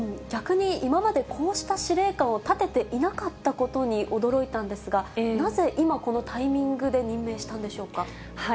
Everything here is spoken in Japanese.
逆に今まで、こうした司令官を立てていなかったことに驚いたんですが、なぜ、今、このタイミングで任命したんでしょうか。